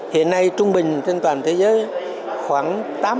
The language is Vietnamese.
hiện nay trung bình trên toàn thế giới khoảng tám mươi